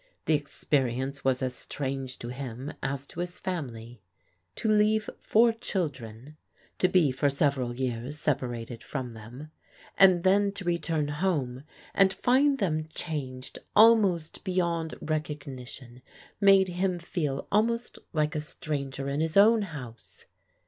The experience was as strange to him as to his family. To leave four children, to be for several years separated from them, and then to return home, and find them changed almost beyond recognition made him feel almost like a stranger in his own house.